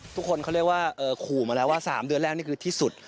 ทุกคนเขาเรียกว่าขู่มาแล้วว่า๓เดือนแรกนี่คือที่สุด